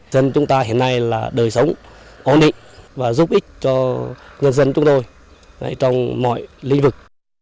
dân chúng ta hiện nay là đời sống ổn định và giúp ích cho nhân dân chúng tôi trong mọi lĩnh vực